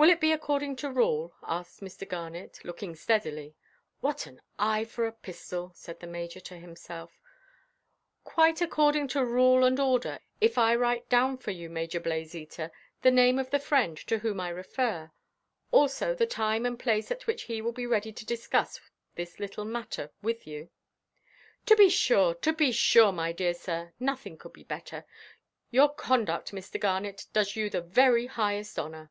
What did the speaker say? "Will it be according to rule," asked Mr. Garnet, looking steadily ("What an eye for a pistol!" said the Major to himself), "quite according to rule and order, if I write down for you, Major Blazeater, the name of the friend to whom I refer; also the time and place at which he will be ready to discuss this little matter with you?" "To be sure, to be sure, my dear sir; nothing could be better. Your conduct, Mr. Garnet, does you the very highest honour."